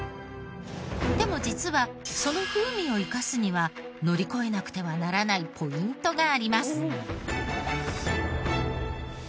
でも実はその風味を生かすには乗り越えなくてはならないポイントがあります。